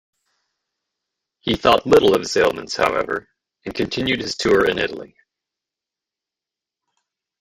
He thought little of his ailments, however, and continued his tour in Italy.